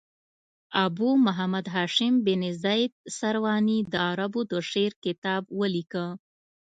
ابو محمد هاشم بن زید سرواني د عربو د شعر کتاب ولیکه.